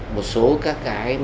một số các cái